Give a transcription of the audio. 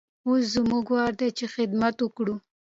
اوس زموږ وار دی چې خدمت وکړو.